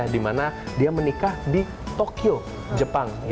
dimana dia menikah di tokyo jepang